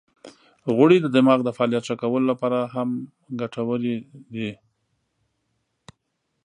غوړې د دماغ د فعالیت ښه کولو لپاره هم ګټورې دي.